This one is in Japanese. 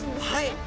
はい。